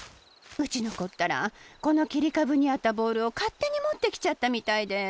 うちのこったらこのきりかぶにあったボールをかってにもってきちゃったみたいで。